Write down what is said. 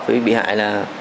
phí bị hại